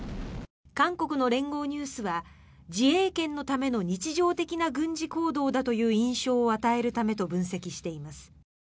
韓国の連合ニュースは自衛権のための日常的な軍事行動だという印象を与えるためと分析しています。